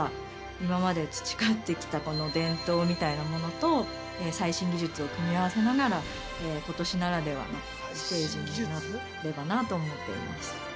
今まで培ってきた伝統みたいなものと最新技術を組み合わせながら今年ならではのステージになればなと思っています。